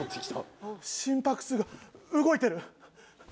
心拍数が動いてる。